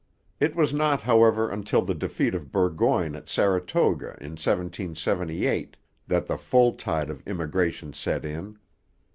It was not, however, until the defeat of Burgoyne at Saratoga in 1778 that the full tide of immigration set in.